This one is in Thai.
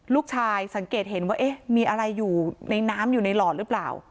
สังเกตเห็นว่าเอ๊ะมีอะไรอยู่ในน้ำอยู่ในหลอดหรือเปล่า